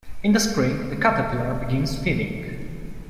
In the spring the caterpillar begins feeding.